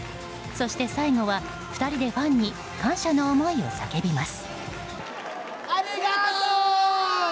そして最後は、２人でファンに感謝の思いを叫びます。